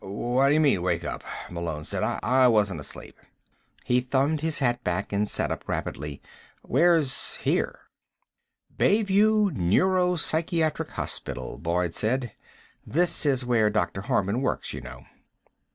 "Whadyamean, wakeup," Malone said. "I wasn't asleep." He thumbed his hat back and sat up rapidly. "Where's 'here'?" "Bayview Neuropsychiatric Hospital," Boyd said. "This is where Dr. Harman works, you know."